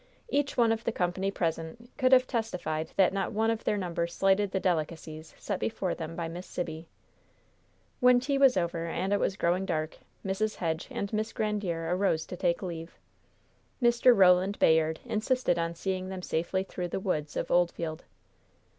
Each one of the company present could have testified that not one of their number slighted the delicacies set before them by Miss Sibby. When tea was over and it was growing dark, Mrs. Hedge and Miss Grandiere arose to take leave. Mr. Roland Bayard insisted on seeing them safely through the woods of Oldfield.